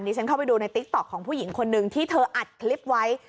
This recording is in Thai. ฉันเข้าไปดูในติ๊กต๊อกของผู้หญิงคนนึงที่เธออัดคลิปไว้